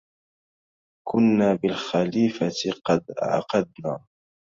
وكنا بالخليفة قد عقدنا